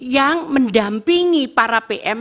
yang mendampingi para pm